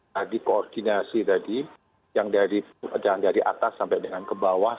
tadi koordinasi tadi yang dari atas sampai dengan ke bawah